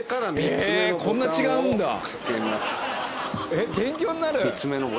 えっ勉強になる。